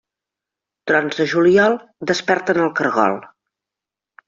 Trons de juliol desperten el caragol.